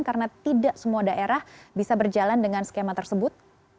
karena tidak semua daerah bisa berjalan dengan skema tersebut